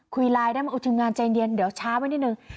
คุยไลน์ได้มั้งอุทิมงานใจเนียนเดี๋ยวช้าไว้นิดนึง